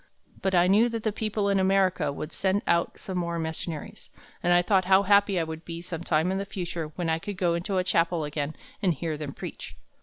But I knew that the people in America would send out some more missionaries, and I thought how happy I would be sometime in the future when I could go into a chapel again and hear them preach."